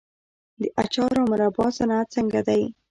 د اچار او مربا صنعت څنګه دی؟